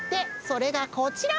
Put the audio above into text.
それがこちら！